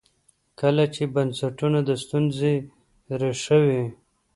کله چې بنسټونه د ستونزې ریښه وي.